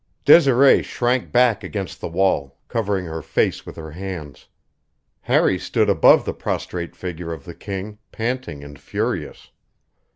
Desiree shrank back against the wall, covering her face with her hands. Harry stood above the prostrate figure of the king, panting and furious.